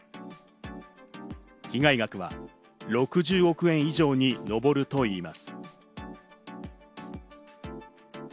被害額は６０億円以上にのぼるといいます。